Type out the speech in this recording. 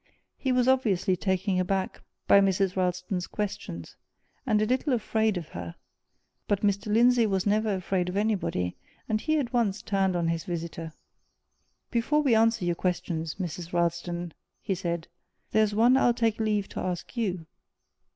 He was obviously taken aback by Mrs. Ralston's questions, and a little afraid of her; but Mr. Lindsey was never afraid of anybody, and he at once turned on his visitor. "Before we answer your questions, Mrs. Ralston," he said, "there's one I'll take leave to ask you.